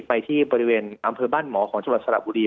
ไปที่บริเวณอำเภอบ้านหมอของจังหวัดสระบุรี